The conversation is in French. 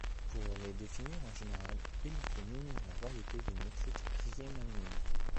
Pour les définir en général, il faut munir la variété d'une métrique riemannienne.